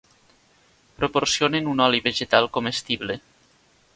Proporcionen un oli vegetal comestible.